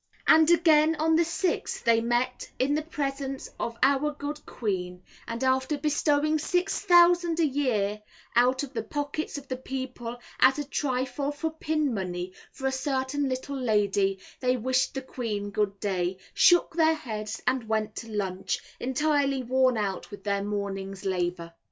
And again on the 6th they met in the presence of our Good Queen, and after bestowing six thousand a year out of the pockets of the people as a trifle for pin money for a certain little lady, they wished the Queen good day, shook their heads, and went to lunch, entirely worn out with their morning's labour.